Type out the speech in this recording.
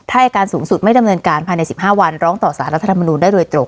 ถ้าอายการสูงสุดไม่ดำเนินการภายใน๑๕วันร้องต่อสารรัฐธรรมนูลได้โดยตรง